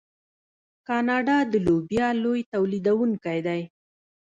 کاناډا د لوبیا لوی تولیدونکی دی.